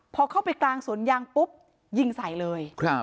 พอเข้าไปกลางสวนยางปุ๊บยิงใส่เลย